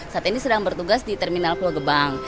saat ini sedang bertugas di terminal pulau gebang